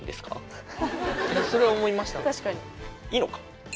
いいのか。